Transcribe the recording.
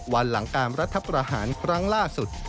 วันหลังการรัฐประหารครั้งล่าสุด